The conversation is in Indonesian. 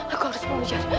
aku harus mengejar